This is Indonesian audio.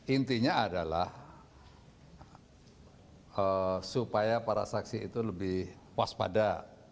intinya adalah supaya para saksi itu lebih waspada